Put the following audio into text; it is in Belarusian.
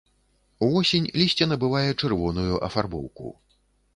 Увосень лісце набывае чырвоную афарбоўку.